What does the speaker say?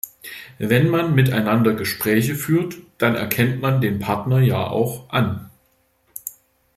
Wenn man miteinander Gespräche führt, dann erkennt man den Partner ja auch an.